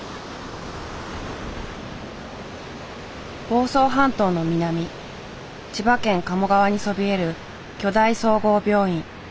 房総半島の南千葉県鴨川にそびえる巨大総合病院。